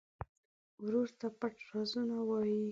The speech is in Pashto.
ورور ته پټ رازونه وایې.